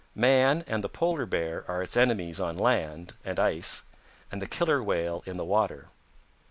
Man and the Polar Bear are its enemies on land and ice, and the Killer Whale in the water.